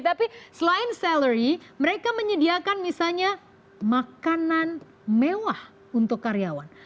tapi selain salary mereka menyediakan misalnya makanan mewah untuk karyawan